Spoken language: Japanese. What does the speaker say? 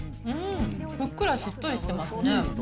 ふっくら、しっとりしてますね。